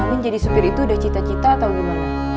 amin jadi supir itu udah cita cita atau gimana